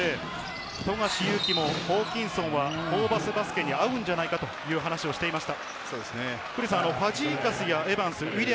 富樫勇樹もホーキンソンはホーバスバスケに合うんじゃないかと話していました。